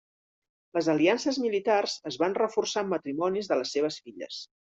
Les aliances militars es van reforçar amb matrimonis de les seves filles.